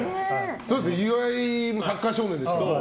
岩井もサッカー少年でしたから。